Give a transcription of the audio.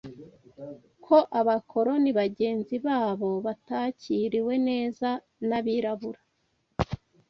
ko abakoloni bagenzi babo batakiriwe neza n’abirabura